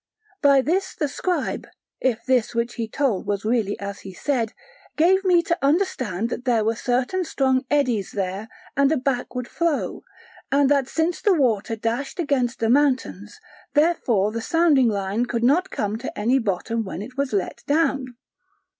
By this the scribe (if this which he told was really as he said) gave me to understand that there were certain strong eddies there and a backward flow, and that since the water dashed against the mountains, therefore the sounding line could not come to any bottom when it was let down.